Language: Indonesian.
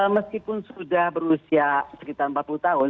meskipun sudah berusia sekitar empat puluh tahun